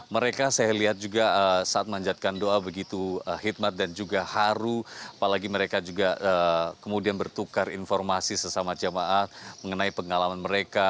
mereka saya lihat juga saat manjatkan doa begitu hikmat dan juga haru apalagi mereka juga kemudian bertukar informasi sesama jamaah mengenai pengalaman mereka